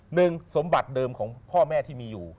หนึ่งสมบัติเดิมของพ่อแม่ที่มีอยู่